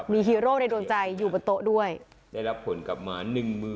มีฮีโร่ในดวงใจอยู่บนโต๊ะด้วย